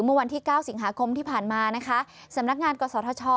เมื่อวันที่๙สิงหาคมที่ผ่านมานะคะสำนักงานกศธช